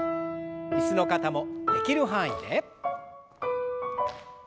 椅子の方もできる範囲で。